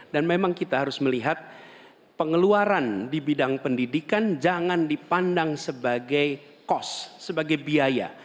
dan memang kita harus melihat pengeluaran di bidang pendidikan jangan dipandang sebagai cost sebagai biaya